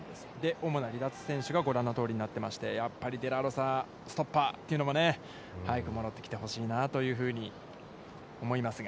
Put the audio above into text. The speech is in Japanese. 主な離脱選手がご覧のとおりになっていまして、ストッパーというのも早く戻ってきてほしいなというふうに思いますが。